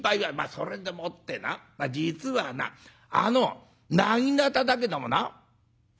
「それでもってな実はなあのなぎなただけどもな」。